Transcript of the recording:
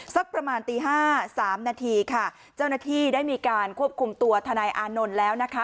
สักประมาณตีห้าสามนาทีค่ะเจ้าหน้าที่ได้มีการควบคุมตัวทนายอานนท์แล้วนะคะ